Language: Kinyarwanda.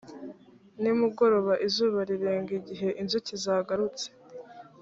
nimugoroba izuba rirenga igihe inzuki zagarutse